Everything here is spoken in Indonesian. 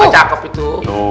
ah cakep itu